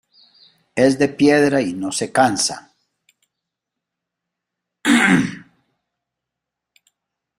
Es de piedra y no se cansa.